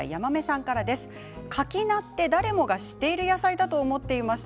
かき菜、誰もが知っている野菜だと思っていました。